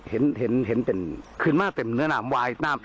ก็เล่ายังเพียงเคยคิดนะ